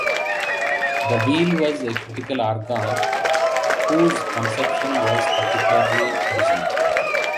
The wheel was a critical organ whose conception was particularly original.